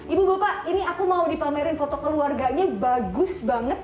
ibu bapak ini aku mau dipamerin foto keluarganya bagus banget